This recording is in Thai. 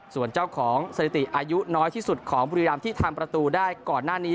ส่วนเจ้าของสถิติอายุน้อยที่สุดของบุรีรามที่ทำประตูได้ก่อนหน้านี้